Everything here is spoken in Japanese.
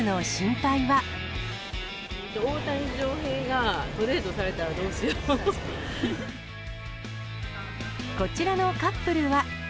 大谷翔平がトレードされたらこちらのカップルは。